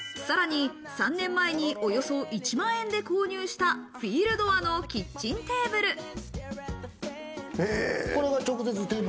さらに３年前におよそ１万円で購入した、フィールドアのキッチンテーブル。